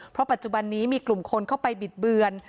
เพราะปัจจุบันนี้มีกลุ่มคนเข้าไปบิดเบือน